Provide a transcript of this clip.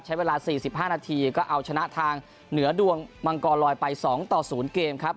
ใช้เวลา๔๕นาทีก็เอาชนะทางเหนือดวงมังกรลอยไป๒ต่อ๐เกมครับ